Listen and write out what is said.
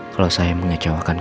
kalau saya mengecewakanmu